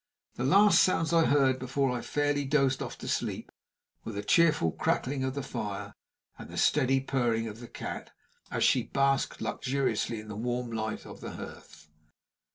The last sounds I heard before I fairly dozed off to sleep were the cheerful crackling of the fire and the steady purring of the cat, as she basked luxuriously in the warm light on the hearth.